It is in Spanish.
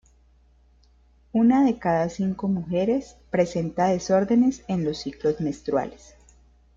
Una de cada cinco mujeres presenta desórdenes en los ciclos menstruales.